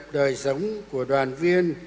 đời sống của đoàn viên